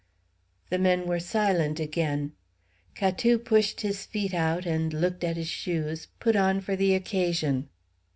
The men were silent again. Catou pushed his feet out, and looked at his shoes, put on for the occasion.